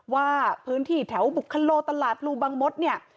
ว่าพื้นที่แถวบุคโลตลาดรูบังมดเนี่ย